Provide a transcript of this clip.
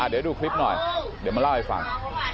เดี๋ยวดูคลิปหน่อยเดี๋ยวมาเล่าให้ฟัง